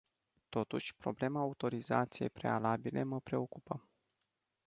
Totuși, problema autorizației prealabile mă preocupă.